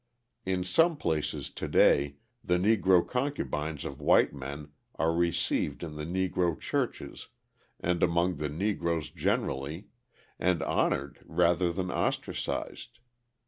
In some places to day, the Negro concubines of white men are received in the Negro churches and among the Negroes generally, and honoured rather than ostracised.